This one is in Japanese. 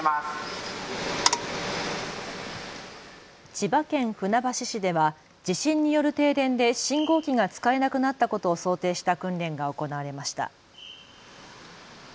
千葉県船橋市では地震による停電で信号機が使えなくなったことを想定した訓練が行われました。